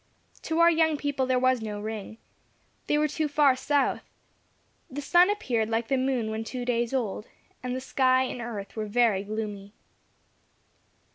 To our young people there was no ring. They were too far south. The sun appeared like the moon when two days old, and the sky and earth were very gloomy.